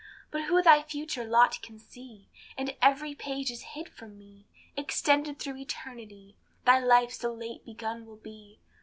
But who thy future lot can see? All, every page is hid from me; Xtended through eternity, Thy life so late begun will be.